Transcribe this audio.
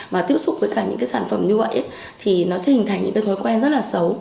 mà tiếp xúc với cả những cái sản phẩm như vậy thì nó sẽ hình thành những cái thói quen rất là xấu